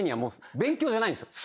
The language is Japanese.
勉強じゃないんですよ。